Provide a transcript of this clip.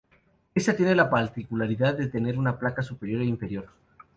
Esta tiene la particularidad de tener una placa superior e inferior.